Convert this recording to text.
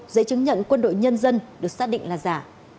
giấy chứng nhận quân đội nhân dân được xác định là giả